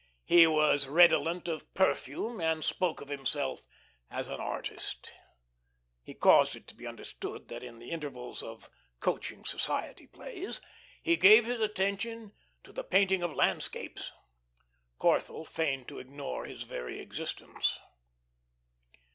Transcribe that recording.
He was redolent of perfume and spoke of himself as an artist. He caused it to be understood that in the intervals of "coaching society plays" he gave his attention to the painting of landscapes. Corthell feigned to ignore his very existence.